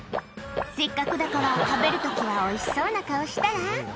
せっかくだから食べる時はおいしそうな顔したら？